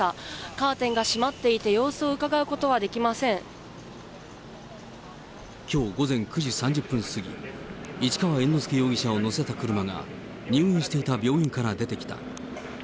カーテンが閉まっていて、きょう午前９時３０分過ぎ、市川猿之助容疑者を乗せた車が、入院していた病院から出てきた。